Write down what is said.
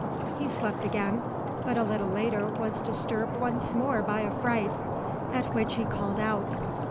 He slept again, but a little later was disturbed once more by a fright, at which he called out.